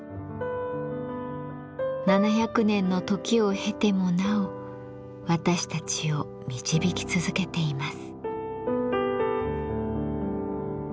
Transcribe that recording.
７００年の時を経てもなお私たちを導き続けています。